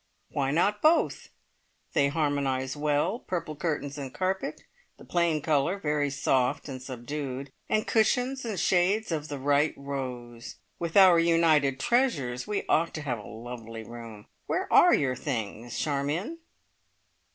"Why not both? They harmonise well. Purple curtains and carpet the plain colour, very soft and subdued, and cushions and shades of the right rose. With our united treasures we ought to have a lovely room. Where are your things, Charmion?"